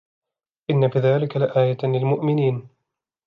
إن في ذلك لآية للمؤمنين